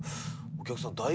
お客さん